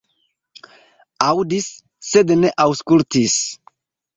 Aŭdis, sed ne aŭskultis.